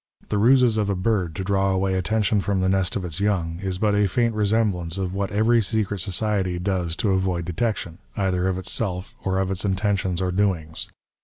The rases of a bird to draw away attention from the nest of its young, is but a faint resemblance of what every secret society does to avoid detection, either of itself or of its intentions or doings.